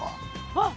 あっ！